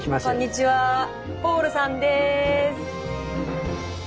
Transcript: ポールさんです！